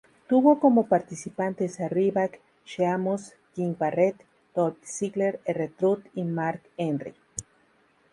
Tuvo como participantes a Ryback, Sheamus, King Barrett, Dolph Ziggler, R-Truth y Mark Henry.